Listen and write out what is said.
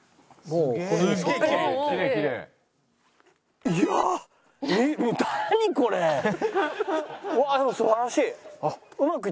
うわあでも素晴らしい。